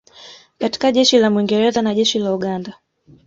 katika Jeshi la Mwingereza na Jeshi la Uganda